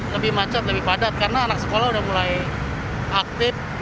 lebih macet lebih padat karena anak sekolah udah mulai aktif